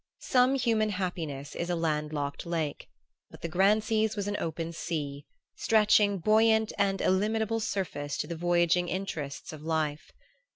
Some human happiness is a landlocked lake; but the Grancys' was an open sea, stretching a buoyant and illimitable surface to the voyaging interests of life.